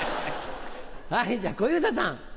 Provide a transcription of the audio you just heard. はいじゃ小遊三さん。